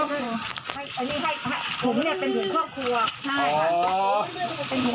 นี่ให้ขุมเนี่ยเป็นถุงควบควบ